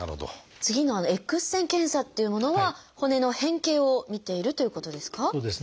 次の「Ｘ線検査」っていうものは骨の変形を見ているということですか？